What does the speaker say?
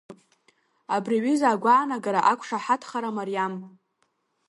Абри аҩыза агәаанагара ақәшаҳаҭхара мариам.